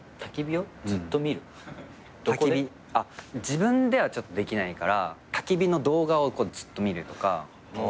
自分ではちょっとできないからたき火の動画をずっと見るとかあと。